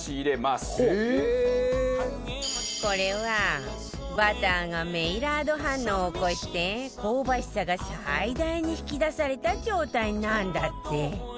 これはバターがメイラード反応を起こして香ばしさが最大に引き出された状態なんだって